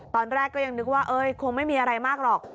ตอนแรกก็ยังนึกว่าคงไม่มีอะไรมากหรอก